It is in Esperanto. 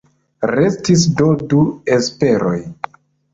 Restis do du esperoj.